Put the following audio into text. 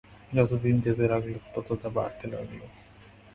যত দিন যেতে লাগল তত তা বাড়তে লাগল।